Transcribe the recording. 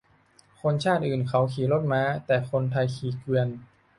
คนชาติอื่นเขาขี่รถม้า แต่คนไทยขี่เกวียน